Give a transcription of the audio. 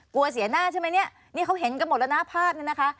กลัวเสียหน้าใช่ไหมเนี่ยนี่เขาเห็นกันหมดแล้วนะภาพเนี่ยนะคะ